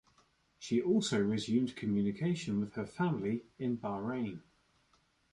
She also resumed communication with her family in Bahrain.